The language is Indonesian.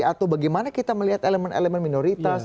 atau bagaimana kita melihat elemen elemen minoritas